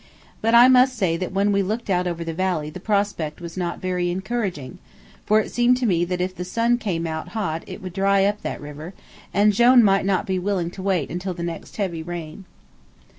But I must say that when we looked out over the valley the prospect was not very encouraging, for it seemed to me that if the sun came out hot it would dry up that river, and Jone might not be willing to wait until the next heavy rain.